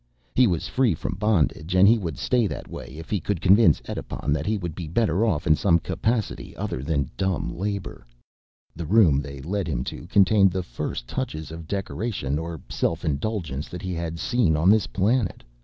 He was free from bondage and he would stay that way if he could convince Edipon that he would be better off in some capacity other than dumb labor. The room they led him to contained the first touches of decoration or self indulgence that he had seen on this planet.